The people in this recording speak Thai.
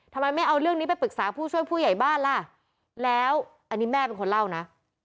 ทำไมไม่เอาเรื่องนี้ไปปรึกษาผู้ช่วยผู้ใหญ่บ้านล่ะแล้วอันนี้แม่เป็นคนเล่านะ